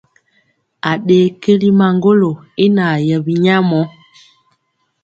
Aɗee keli maŋgolo i naa yɛ binyamɔ.